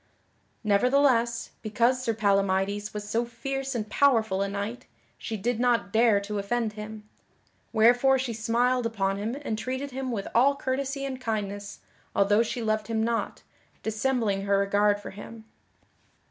Nevertheless, because Sir Palamydes was so fierce and powerful a knight, she did not dare to offend him; wherefore she smiled upon him and treated him with all courtesy and kindness although she loved him not, dissembling her regard for him.